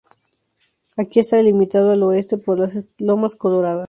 Aquí está delimitado al este por las Lomas Coloradas.